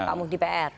pak muhdi pr